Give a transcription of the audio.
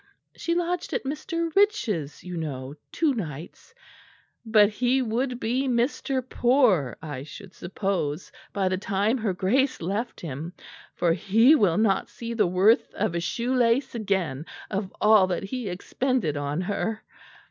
She lodged at Mr. Rich's, you know, two nights; but he would be Mr. Poor, I should suppose, by the time her Grace left him; for he will not see the worth of a shoelace again of all that he expended on her."